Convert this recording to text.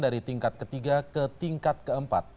dari tingkat ketiga ke tingkat keempat